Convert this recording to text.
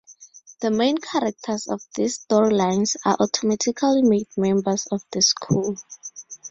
The main characters of these storylines are automatically made members of the school.